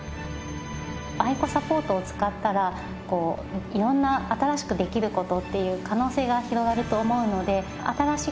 アイコサポートを使ったら色んな新しくできる事っていう可能性が広がると思うので。